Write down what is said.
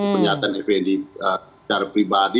pernyataan effendi secara pribadi